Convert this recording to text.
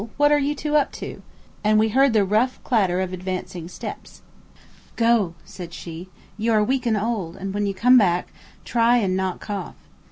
What are you two up to?" And we heard the rough clatter of advancing steps. "Go," said she; "you are weak and old; and when you come back, try and not cough."